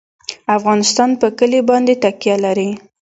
افغانستان په کلي باندې تکیه لري.